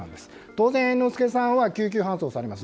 当然、猿之助さんは救急搬送されます。